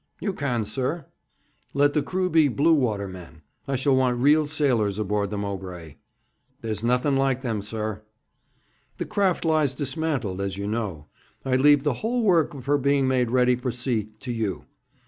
'You can, sir.' 'Let the crew be blue water men. I shall want real sailors aboard the Mowbray.' 'There's nothing like them, sir.' 'The craft lies dismantled, as you know. I leave the whole work of her being made ready for sea to you.